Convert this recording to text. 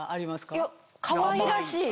かわいらしい。